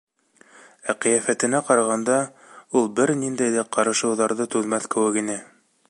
Ә ҡиәфәтенә ҡарағанда, ул бер ниндәй ҙә ҡарышыуҙарҙы түҙмәҫ кеүек ине.